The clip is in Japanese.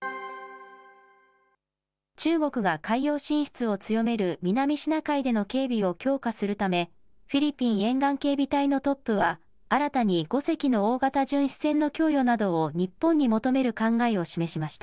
中国が海洋進出を強める南シナ海での警備を強化するため、フィリピン沿岸警備隊のトップは、新たに５隻の大型巡視船の供与などを日本に求める考えを示しました。